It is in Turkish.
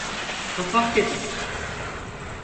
Kapat dedim!